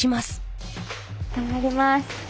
頑張ります。